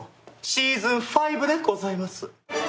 シーズン５でございます。